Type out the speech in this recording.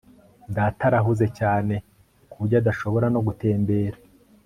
Data arahuze cyane kuburyo adashobora no gutembera